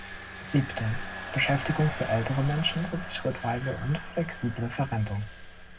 Siebtens, Beschäftigung für ältere Menschen sowie schrittweise und flexible Verrentung.